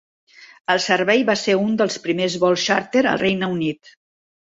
El servei va ser un dels primers vols xàrter al Regne Unit.